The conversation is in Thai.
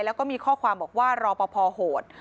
แล้วก็มีข้อความบอกว่ารอปภโหด